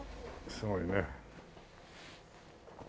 すごいね。